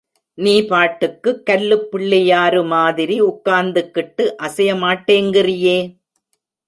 நீ பாட்டுக்குக் கல்லுப்பிள்ளையாரு மாதிரி உக்காந்துக் கிட்டு அசையமாட்டேங்கிறியே!